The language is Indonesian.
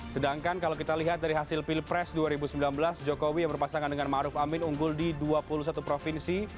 sedangkan kalau kita lihat dari hasil pilpres dua ribu sembilan belas jokowi yang berpasangan dengan maruf amin unggul di dua puluh satu provinsi